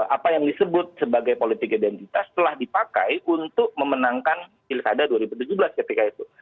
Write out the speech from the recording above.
apa yang disebut sebagai politik identitas telah dipakai untuk memenangkan pilkada dua ribu tujuh belas ketika itu